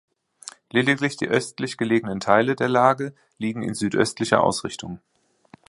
Lediglich die östlich gelegenen Teile der Lage liegen in südöstlicher Ausrichtung.